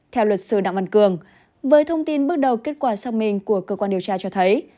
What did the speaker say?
theo luật sư đặng văn cường với thông tin bước đầu kết quả xác minh của cơ quan điều tra cho thấy